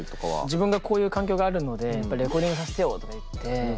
自分がこういう環境があるので「レコーディングさせてよ！」とか言って。